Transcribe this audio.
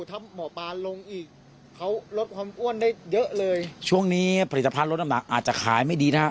ถ้าหมอปลาลงอีกเขาลดความอ้วนได้เยอะเลยช่วงนี้ผลิตภัณฑลดน้ำหนักอาจจะขายไม่ดีนะครับ